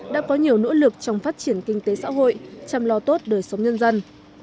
đã có nhiều nỗ lực trong phát triển kinh tế xã hội chăm lo tốt đời sống nhân dân